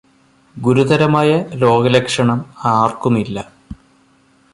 ഗുരുതരമായ രോഗലക്ഷണം ആര്ക്കുമില്ല.